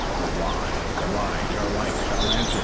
"A lie! a lie! your life shall answer.